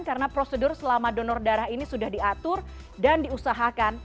karena prosedur selama donor darah ini sudah diatur dan diusahakan